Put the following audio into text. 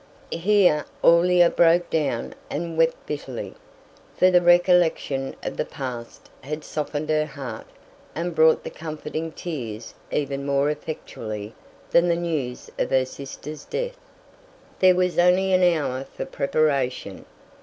Here Aurelia broke down and wept bitterly; for the recollection of the past had softened her heart and brought the comforting tears even more effectually than the news of her sister's death. There was only an hour for preparation.